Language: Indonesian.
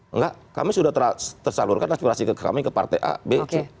enggak kami sudah tersalurkan aspirasi ke kami ke partai a b c